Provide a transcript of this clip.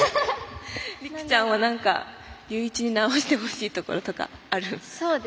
璃来ちゃんは、龍一に直してほしいところとかある？